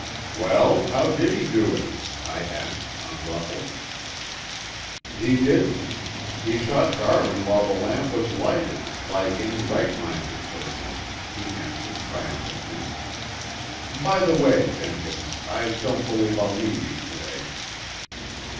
"Well, how did he do it?" I asked, unruffled. "He didn't. He shot Darwin while the lamp was lighted, like any right minded person," he answered triumphantly. "By the way, Jenkins, I don't believe I'll need you to day."